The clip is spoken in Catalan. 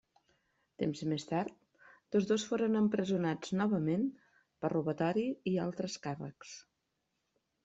Temps més tard, tots dos foren empresonats novament per robatori i altres càrrecs.